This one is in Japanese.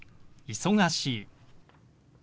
「忙しい」。